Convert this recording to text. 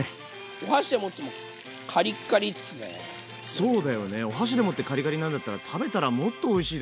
お箸で持ってカリカリなんだったら食べたらもっとおいしいだろうね。